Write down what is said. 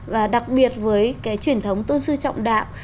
và đặc biệt với cái truyền thống tôn sư trọng đạo